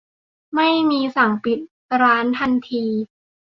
ไม่มีสั่งปิดร้านทันที